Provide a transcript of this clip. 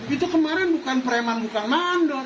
itu kemarin bukan preman bukan mandor